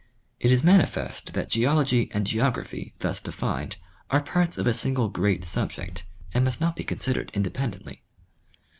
It is manifest that geology and geography thus defined are parts of a single great subject, and must not be considered independently.